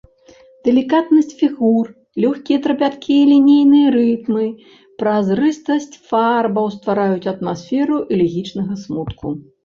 Далікатнасць фігур, лёгкія трапяткія лінейныя рытмы, празрыстасць фарбаў ствараюць атмасферу элегічнага смутку.